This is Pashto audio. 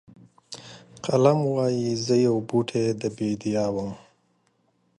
قلم وایي زه یو بوټی د بیدیا وم.